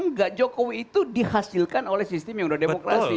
enggak jokowi itu dihasilkan oleh sistem yang sudah demokrasi